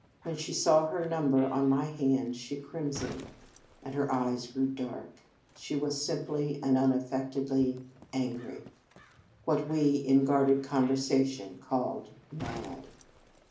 When she saw her number on my hand, she crimsoned, and her eyes grew dark. She was simply and unaffectedly 251 In Our Convent Days angry, what we in unguarded con versation called " mad."